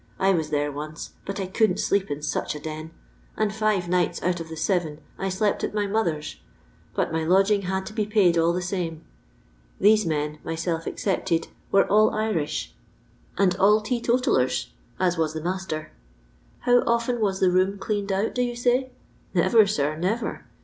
I was there once, but I couldn't sleep in such a den ; and five nights out of the seven I slept at my mother's, but my lodg ing had to be paid all the same. These men (myself excepted) were all Irish, and all tee LONDON LABOUR AND THE LONDON POOR. 86 totalleriy at wai the master. How often waa the Toom cleaned cot, do you tay ? Nerer, sir, neTer.